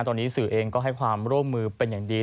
ตอนนี้สื่อเองก็ให้ความร่วมมือเป็นอย่างดี